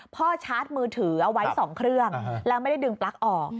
ชาร์จมือถือเอาไว้๒เครื่องแล้วไม่ได้ดึงปลั๊กออก